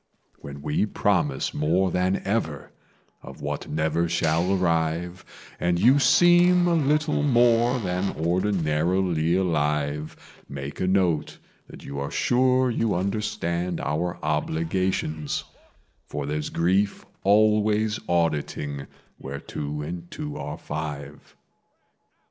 "When we promise more than ever of what never shall arrive, And you seem a little more than ordinarily alive, Make a note that you are sure you understand our obligations For there's grief always auditing where two and two are five.